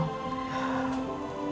begitu juga randy